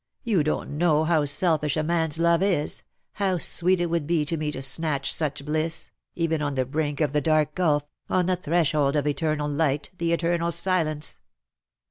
you don't know how selfish a man's love is, how sweet it would be to me to snatch such bliss, even on the brink of the dark gulf — on the threshold of the eternal night, the eternal silence